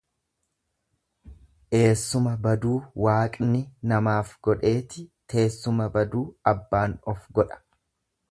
Eessuma baduu waaqni namaaf godheeti, teessuma baduu abbaan of godha.